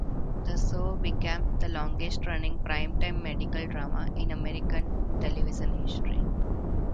The show became the longest-running primetime medical drama in American television history.